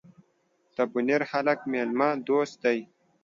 ده بونیر هلک میلمه دوست دي.